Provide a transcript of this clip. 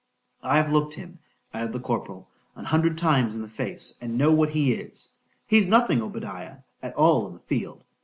—I've look'd him, added the corporal, an hundred times in the face,—and know what he is.—He's nothing, Obadiah, at all in the field.